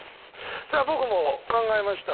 さあ僕も考えました。